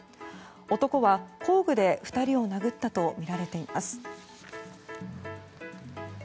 男は、工具で２人を殴ったとみられています。